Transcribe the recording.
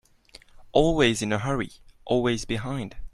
Always in a hurry, always behind.